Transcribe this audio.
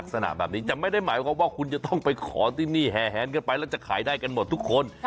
ลักษณะแบบนี้จะไม่ได้หมายความว่าคุณจะต้องไปขอที่นี่แห่แหนกันไปแล้วจะขายได้กันหมดทุกคน